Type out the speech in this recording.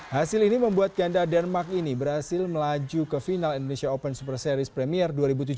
hasil ini membuat ganda denmark ini berhasil melaju ke final indonesia open super series premier dua ribu tujuh belas